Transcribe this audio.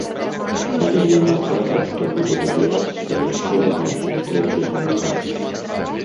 Але яна кажа, што будзе дабівацца яшчэ адной сустрэчы з мужам.